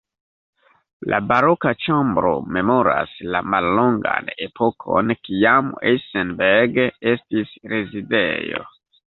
La Baroka ĉambro memoras la mallongan epokon kiam Eisenberg estis rezidejo.